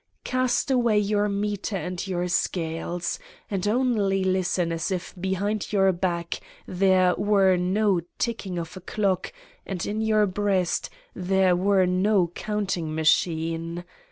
Cast away your meter and your scales and only listen as if behind your back there were no ticking of a clock and in your breast there were no counting machine.